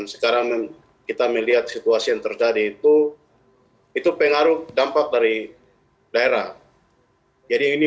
sekarang kita melihat situasi yang terjadi itu itu pengaruh dampak dari daerah jadi ini